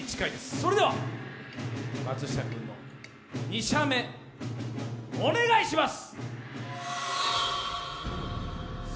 それでは松下君の２射目、お願いします！